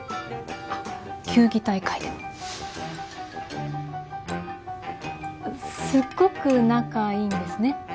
あっ球技大会でもすっごく仲いいんですね